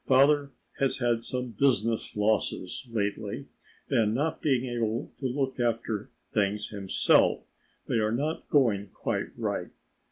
Father has had some business losses lately, and not being able to look after things himself, they are not going quite right.